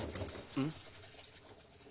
うん。